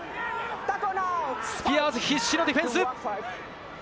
スピアーズ、必死のディフェンス。